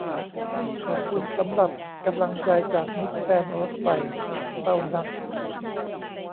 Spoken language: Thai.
ขอบคุณสำหรับกำลังใจจากมิตรแฟนรถไฟ เศร้านัก